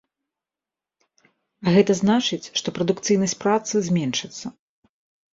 А гэта значыць, што прадукцыйнасць працы зменшыцца.